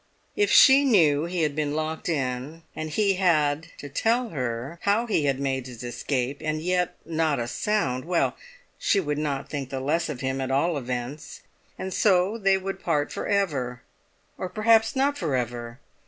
If she knew he had been locked in, and he had to tell her how he had made his escape and yet not a sound—well, she would not think the less of him at all events, and so they would part for ever. Or perhaps not for ever!